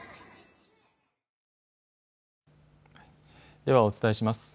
ではお伝えします。